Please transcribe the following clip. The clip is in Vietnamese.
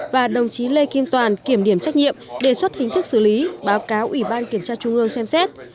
và đồng chí lê kim toàn kiểm điểm trách nhiệm đề xuất hình thức xử lý báo cáo ủy ban kiểm tra trung ương xem xét